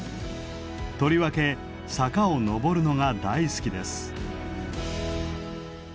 とりわけ坂を上るのが大好きです。